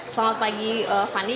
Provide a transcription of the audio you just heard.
selamat pagi fani